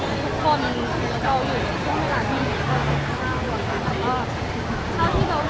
เราอยู่ในช่วงเวลาที่มีความรู้สึกข้าว